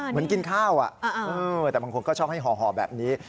เหมือนกินข้าวแต่บางคนก็ชอบให้ห่อแบบนี้